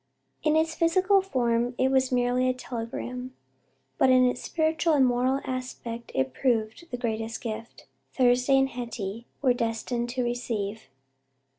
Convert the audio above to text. In its physical form it was merely a telegram, but in its spiritual and moral aspect it proved the greatest gift Thursday and Hetty were destined to receive.